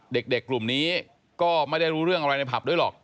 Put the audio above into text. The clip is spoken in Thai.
เด็กกลุ่มนี้ก็ไม่ได้รู้เรื่องอะไรในผับด้วยหรอก